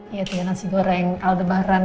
iya tinggal nasi goreng aldebaran ya